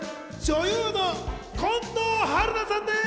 女優の近藤春菜さんです！